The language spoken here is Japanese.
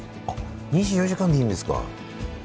２４時間でいいんですか。